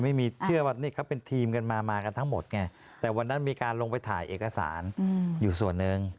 เชื่อว่านี่เขาเป็นทีมกันมามากันทั้งหมดไงแต่วันนั้นมีการลงไปถ่ายเอกสารอยู่ส่วนหนึ่ง